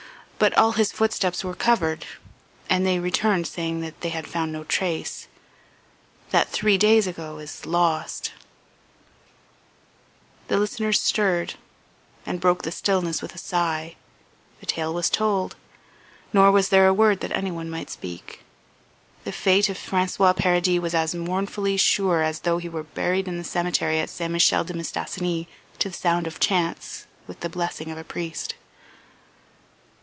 But all his footsteps were covered, and they returned saying that they had found no trace; that was three days ago... He is lost ..." The listeners stirred, and broke the stillness with a sigh; the tale was told, nor was there a word that, anyone might speak. The fate of François Paradis was as mournfully sure as though he were buried in the cemetery at St. Michel de Mistassini to the sound of chants, with the blessing of a priest.